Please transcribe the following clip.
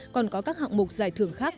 còn có các hạng mục giải thưởng khác